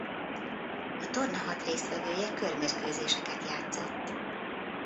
A torna hat résztvevője körmérkőzéseket játszott.